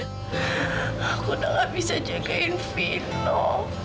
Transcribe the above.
aku udah gak bisa jagain vino